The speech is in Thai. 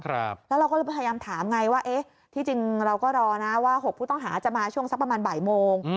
แล้วเราก็เลยพยายามถามไงว่าเอ๊ะที่จริงเราก็รอนะว่า๖ผู้ต้องหาจะมาช่วงสักประมาณบ่ายโมง